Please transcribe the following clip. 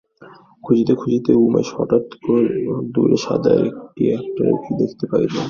খুঁজিতে খুঁজিতে উমেশ হঠাৎ দূরে সাদা কী একটা দেখিতে পাইল।